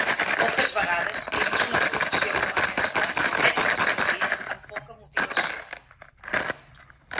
Poques vegades he vist una col·lecció com aquesta de mètodes senzills amb poca motivació.